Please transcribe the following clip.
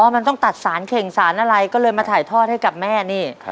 มันต้องตัดสารเข่งสารอะไรก็เลยมาถ่ายทอดให้กับแม่นี่